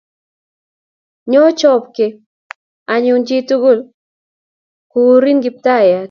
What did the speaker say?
Nyo chopge anyun chi tugul ne kuurin Kiptayat